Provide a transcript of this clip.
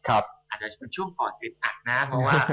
อาจจะเป็นช่วงต่อเทรดอักหน้าเมื่อวาน